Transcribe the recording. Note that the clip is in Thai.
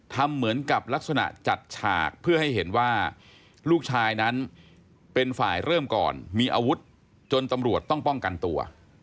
ทำเหมือนกับลักษณะจัดฉากเพื่อให้เห็นว่าลูกชายนั้นเป็นฝ่ายเริ่มก่อนมีอาวุธจนตำรวจต้องป้องกันตัว